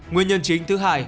nguyên nhân chính thứ hai